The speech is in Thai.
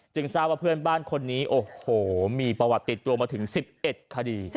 ทราบว่าเพื่อนบ้านคนนี้โอ้โหมีประวัติติดตัวมาถึง๑๑คดี